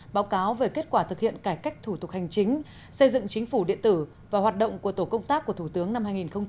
báo cáo về kết quả thực hiện cải cách thủ tục hành chính xây dựng chính phủ điện tử và hoạt động của tổ công tác của thủ tướng năm hai nghìn hai mươi